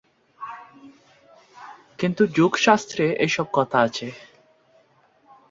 কিন্তু যোগশাস্ত্রে এইসব কথা আছে।